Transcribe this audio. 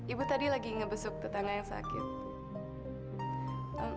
ibu tadi lagi ngebesuk tetangga yang sakit